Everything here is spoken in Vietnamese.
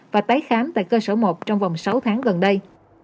và tái khám tại cơ sở một trong vòng sáu tháng gần đây